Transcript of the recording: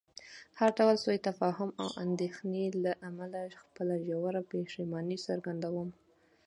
د هر ډول سوء تفاهم او اندېښنې له امله خپله ژوره پښیماني څرګندوم.